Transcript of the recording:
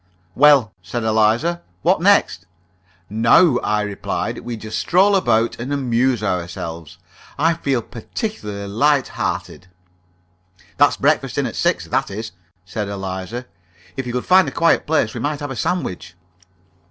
"Well," said Eliza, "what next?" "Now," I replied, "we just stroll about and amuse ourselves. I feel particularly light hearted." "That's breakfasting at six, that is," said Eliza. "If you could find a quiet place, we might have a sandwich."